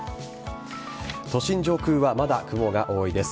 都心上空はまだ雲が多いです。